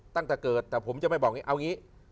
ตั้งแต่เกิดแต่ผมจะไม่บอกเอาอย่างนี้